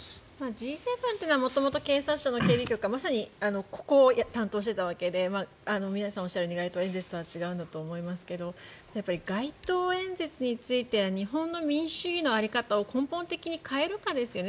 Ｇ７というのは元々警察庁の警備局がここを担当していて皆さんおっしゃるように街頭演説とは違うんだと思いますが街頭演説については日本の民主主義の在り方を根本的に変えるかですよね。